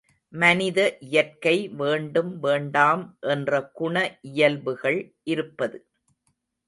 மனித இயற்கை வேண்டும் வேண்டாம் என்ற குண இயல்புகள் இருப்பது.